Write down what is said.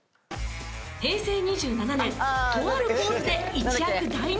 平成２７年とあるポーズで一躍大人気に。